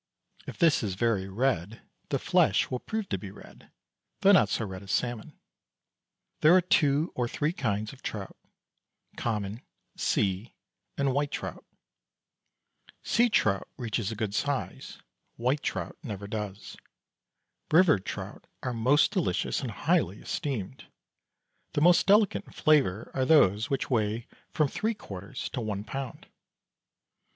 If this is very red the flesh will prove to be red, though not so red as salmon. There are two or three kinds of trout: common, sea, and white trout. Sea trout reaches a good size, white trout never does. River trout are most delicious and highly esteemed; the most delicate in flavour are those which weigh from three quarters to one pound.